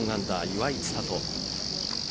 岩井千怜。